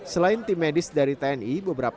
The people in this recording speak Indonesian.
selain tim medis dari tni